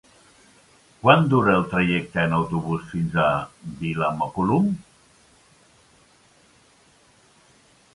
Quant dura el trajecte en autobús fins a Vilamacolum?